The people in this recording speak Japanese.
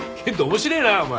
面白えなお前。